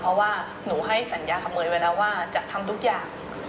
เพราะว่าหนูให้สัญญาขโมยไว้แล้วว่าจะทำทุกอย่าง